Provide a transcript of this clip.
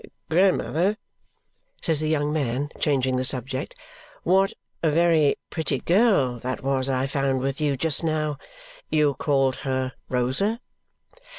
"Grandmother," says the young man, changing the subject, "what a very pretty girl that was I found with you just now. You called her Rosa?"